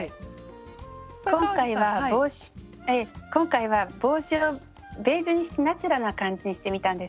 今回は帽子をベージュにしてナチュラルな感じにしてみたんです。